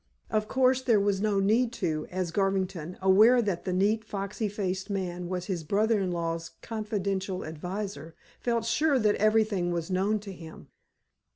Of course, there was no need to, as Garvington, aware that the neat, foxy faced man was his brother in law's confidential adviser, felt sure that everything was known to him.